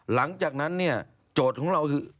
หลังจากนั้นเนี่ยโจทย์ของเราคือ